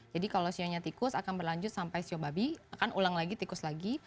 jadi kalau xiao nya tikus akan berlanjut sampai xiao babi akan ulang lagi tikus lagi